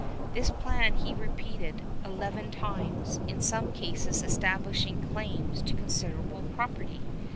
This plan he repeated eleven times, in some cases establishing claims to considerable property.